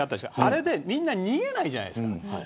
あれでみんな逃げないじゃないですか。